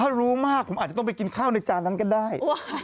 ถ้ารู้มากผมอาจจะต้องไปกินข้าวในจานนั้นก็ได้